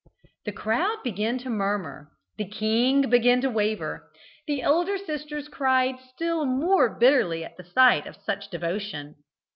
The crowd began to murmur. The king began to waver. The elder sisters cried still more bitterly at the sight of such devotion.